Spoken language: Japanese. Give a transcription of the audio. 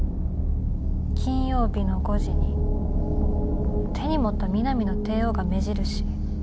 金曜日の５時に手に持った『ミナミの帝王』が目印？